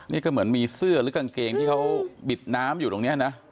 นี่ก็เหมือนมีเสื้อหรือกางเกงที่เขาบิดน้ำอยู่ตรงนี้นะ